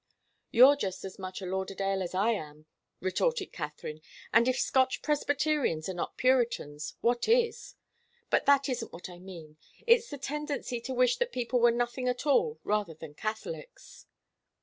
"You're just as much a Lauderdale as I am," retorted Katharine. "And if Scotch Presbyterians are not Puritans, what is? But that isn't what I mean. It's the tendency to wish that people were nothing at all rather than Catholics."